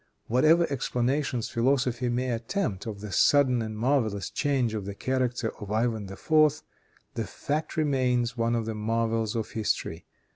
Whatever explanations philosophy may attempt of the sudden and marvelous change of the character of Ivan IV., the fact remains one of the marvels of history.